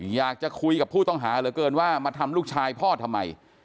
อยากจะคุยกับผู้ต้องหาเหลือเกินว่ามาทำลูกชายพ่อทำไม